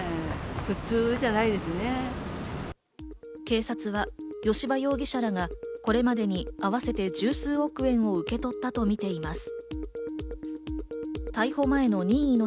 警察は吉羽容疑者らがこれまでに合わせて１０数億円を受け取ったとみています。